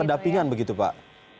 pendampingan begitu pak